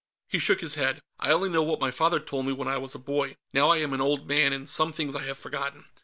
He shook his head. "I only know what my father told me, when I was a boy. Now I am an old man, and some things I have forgotten.